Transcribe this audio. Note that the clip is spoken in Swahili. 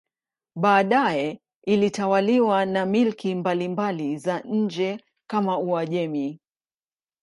Baadaye ilitawaliwa na milki mbalimbali za nje kama Uajemi.